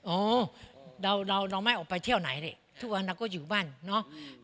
อ๋อเราเราไม่ออกไปเที่ยวไหนดิทุกวันเราก็อยู่บ้านเนาะ